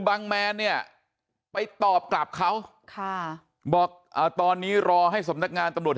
แมนเนี่ยไปตอบกลับเขาค่ะบอกตอนนี้รอให้สำนักงานตำรวจ